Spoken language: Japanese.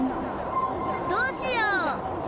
どうしよう！